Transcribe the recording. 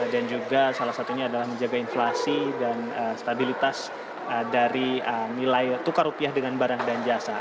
dan juga salah satunya adalah menjaga inflasi dan stabilitas dari nilai tukar rupiah dengan barang dan jasa